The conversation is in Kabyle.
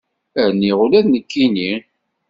Rniɣ ula d nekkini.